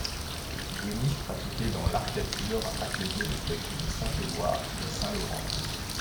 Deux niches pratiquées dans l'arcature accueillait les statues de Saint Éloi et Saint Laurent.